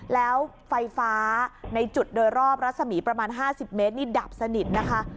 แล้วไฟฟ้าในจุดโดยรอบรัศมีประมาณ๕๐เมตรนี่ดับสนิทนะคะ